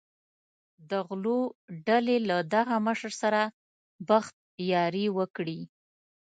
د غلو ډلې له دغه مشر سره بخت یاري وکړي.